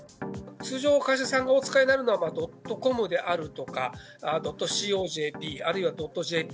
通常、会社さんがお使いになるのは「．ｃｏｍ」であるとか「．ｃｏ．ｊｐ」あるいは「．ｊｐ」。